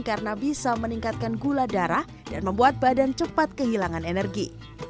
karena bisa meningkatkan gula darah dan membuat badan cepat kehilangan energi